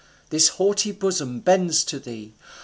This haughty bosom bends to thee.